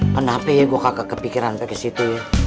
kenapa ya gue kepikiran ke situ ya